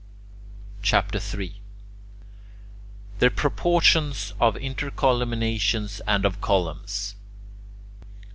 CHAPTER III THE PROPORTIONS OF INTERCOLUMNIATIONS AND OF COLUMNS 1.